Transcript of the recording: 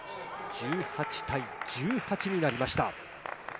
１８対１８になりました。